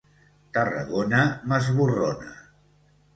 Tarragona m'esborrona.